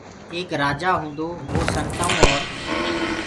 ايڪ رآجآ هونٚدو وو سنتآئوٚنٚ اورَ